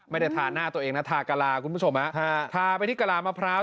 ธาหน้าตัวเองนะทากะลาคุณผู้ชมฮะทาไปที่กะลามะพร้าว